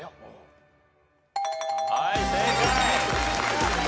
はい正解。